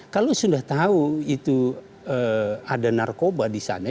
kalau sudah tahu itu ada narkoba di sana